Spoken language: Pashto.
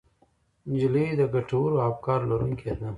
نجلۍ د ګټورو افکارو لرونکې ده.